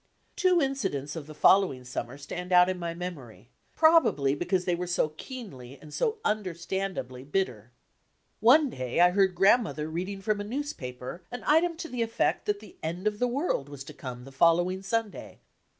Two incidents of the following summer stand out in my memory, probably because they were so keenly and so understandably bitter. One day I heard Grandmother read ing from a newspaper an item to the effect that the end of the world was to come the following Sunday.